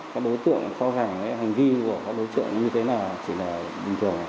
các đối tượng cho rảnh hành vi của các đối tượng như thế là chỉ là bình thường